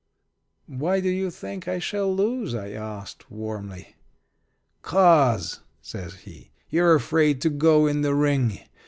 "Why do you think I shall lose?" I asked warmly. "'Cause," said he, "you're afraid to go in the ring.